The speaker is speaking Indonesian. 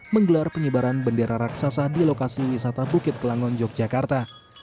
menggelar pengibaran bendera raksasa di lokasi wisata bukit kelangon yogyakarta